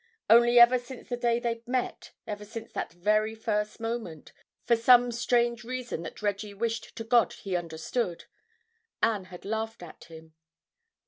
Only ever since the day they'd met, ever since that very first moment, for some strange reason that Reggie wished to God he understood, Anne had laughed at him.